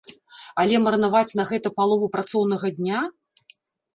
Але марнаваць на гэта палову працоўнага дня?